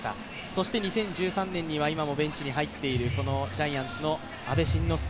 そして、２０１３年には今もベンチに入っているジャイアンツの阿部慎之助。